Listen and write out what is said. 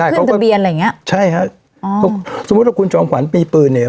ไม่ได้ขึ้นทะเบียนอะไรอย่างเงี้ยใช่ครับอ๋อสมมุติว่าคุณจำขวัญมีปืนเนี่ย